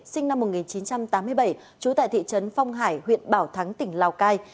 sinh năm một nghìn chín trăm tám mươi bảy trú tại thị trấn phong hải huyện bảo thắng tỉnh lào cai